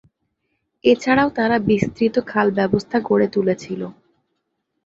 এছাড়াও তারা বিস্তৃত খাল-ব্যবস্থা গড়ে তুলেছিল।